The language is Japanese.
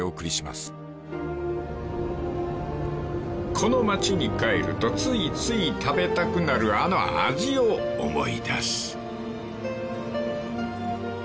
［この町に帰るとついつい食べたくなるあの味を思い出す］